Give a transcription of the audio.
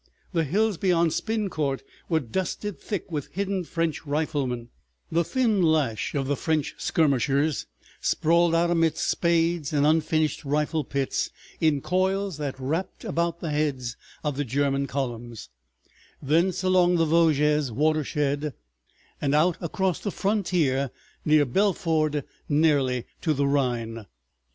The hills beyond Spincourt were dusted thick with hidden French riflemen; the thin lash of the French skirmishers sprawled out amidst spades and unfinished rifle pits in coils that wrapped about the heads of the German columns, thence along the Vosges watershed and out across the frontier near Belfort nearly to the Rhine.